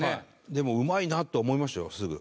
でもうまいなと思いましたよすぐ。